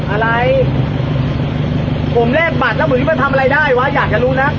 อะไรผมแรกบัตรแล้วคุณไม่ได้ทำอะไรได้วะอยากจะรู้นะ